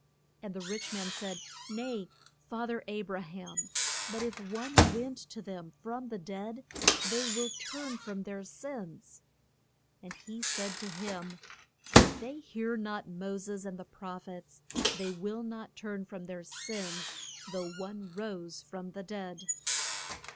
And the rich man said, Nay, fa ther A bra ham; but if one went to them from the dead they will turn from their sins. And he said to him, If they hear not Mo ses and the proph ets they will not turn from their sins though one rose from the dead.